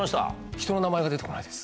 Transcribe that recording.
人の名前が出て来ないです。